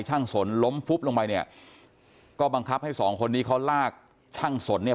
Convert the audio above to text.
สนล้มฟุบลงไปเนี่ยก็บังคับให้สองคนนี้เขาลากช่างสนเนี่ย